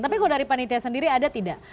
tapi kalau dari panitia sendiri ada tidak